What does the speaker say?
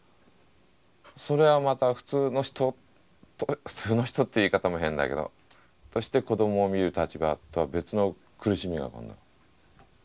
それはまた普通の人普通の人っていう言い方も変だけどとして子どもを見る立場とは別の苦しみが今度。